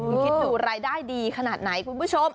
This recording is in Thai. คุณคิดดูรายได้ดีขนาดไหนคุณผู้ชม